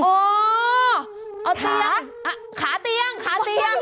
อ๋อเอาเตียงขาเตียงขาเตียง